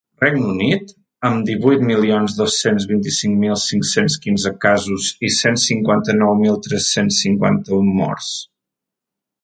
Regne Unit, amb divuit milions dos-cents vint mil cinc-cents quinze casos i cent cinquanta-nou mil tres-cents cinquanta-un morts.